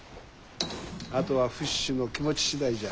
あとはフィッシュの気持ち次第じゃ。